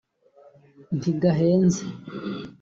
ntigahenze